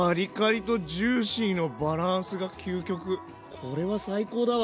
これは最高だわ。